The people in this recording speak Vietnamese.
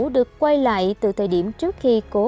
được quay lại từ thời điểm trước khi hồ văn cường